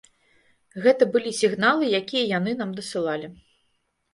Гэта былі сігналы, якія яны нам дасылалі.